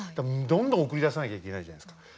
どんどん送り出さなきゃいけないじゃないですか。